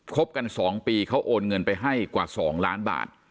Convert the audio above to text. บกัน๒ปีเขาโอนเงินไปให้กว่า๒ล้านบาท